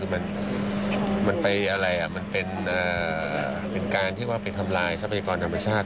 มันเป็นการทำลายทรัพยากรธรรมชาติ